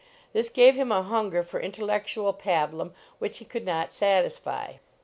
This gave him a hunger for intellectual pabu lum which he could not satisfy.